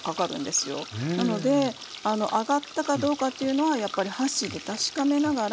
なので揚がったかどうかっていうのはやっぱり箸で確かめながら。